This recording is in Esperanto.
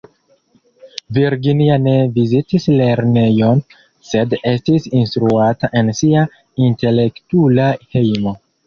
Virginia ne vizitis lernejon, sed estis instruata en sia intelektula hejmo.